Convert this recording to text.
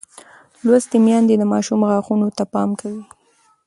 لوستې میندې د ماشوم غاښونو ته پام کوي.